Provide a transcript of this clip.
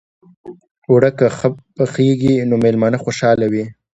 اوړه که ښه پخېږي، نو میلمانه خوشحاله وي